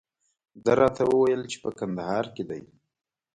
ده راته وویل چې په کندهار کې دی.